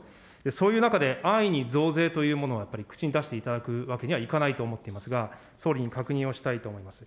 そういう中で、安易に増税というものはやっぱり口に出していただくわけにはいかないと思っていますが、総理に確認をしたいと思います。